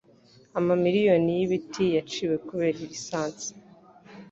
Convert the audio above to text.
Amamiriyoni y'ibiti yaciwe kubera lisansi.